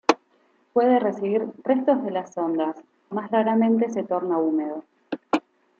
Puede recibir restos de las ondas, más raramente se torna húmedo.